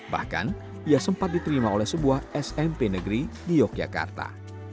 bahkan ia sempat diterima oleh sebuah smp negeri di yogyakarta